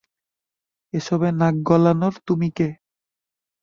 এসবে নাক গলানোর তুমি কে?